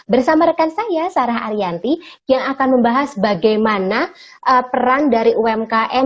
bersama rekan saya sarah ariyanti yang akan membahas bagaimana peran dari umkm